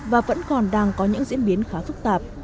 và vẫn còn đang có những diễn biến khá phức tạp